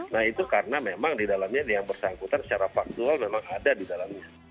nah itu karena memang di dalamnya yang bersangkutan secara faktual memang ada di dalamnya